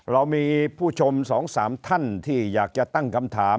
เรามีผู้ชม๒๓ท่านที่อยากจะตั้งคำถาม